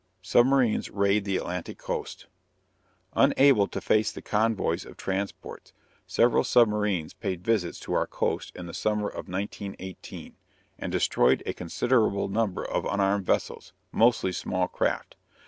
SUBMARINES RAID THE ATLANTIC COAST. Unable to face the convoys of transports, several submarines paid visits to our coast in the summer of 1918, and destroyed a considerable number of unarmed vessels, mostly small craft.